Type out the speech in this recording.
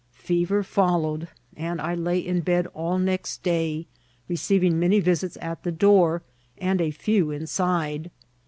Fe Ter followed, and I lay in bed all next day, receiving many visits at the door, and a few inside.